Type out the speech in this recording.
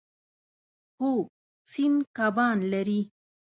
هو، سیند کبان لري